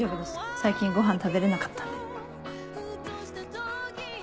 最近ごはん食べれなかったんで。